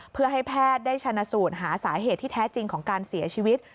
เพื่อให้แพทย์ได้ชนะสูตรหาสาเหตุที่แท้จริงของการเสียชีวิต